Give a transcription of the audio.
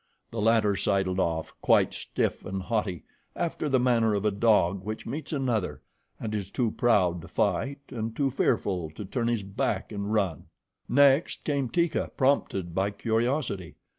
The latter sidled off, quite stiff and haughty, after the manner of a dog which meets another and is too proud to fight and too fearful to turn his back and run. Next came Teeka, prompted by curiosity.